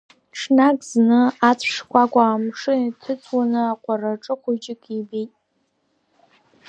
Ҽнак зны ацә шкәакәа амшын иҭыҵуаны аҟәараҿы хәыҷык ибеит.